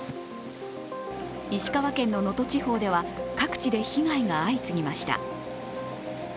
石川県の能登地方では各地で被害が相次ぎました。